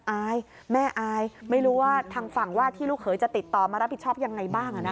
อายแม่อายไม่รู้ว่าทางฝั่งว่าที่ลูกเขยจะติดต่อมารับผิดชอบยังไงบ้าง